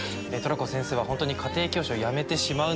寅子先生は本当に家庭教師をやめてしまうのか？